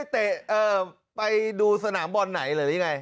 ไปดูสนามบอลไหนหรือยังไง